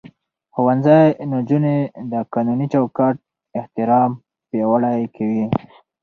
ښوونځی نجونې د قانوني چوکاټ احترام پياوړې کوي.